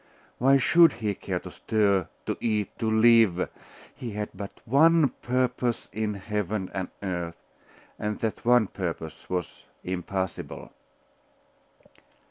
Why should he care to stir, to eat, to live? He had but one purpose in heaven and earth: and that one purpose was impossible.